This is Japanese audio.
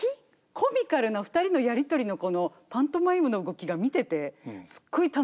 コミカルな２人のやり取りのこのパントマイムの動きが見ててすっごい楽しい。